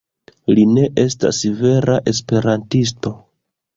Li ne estas vera esperantisto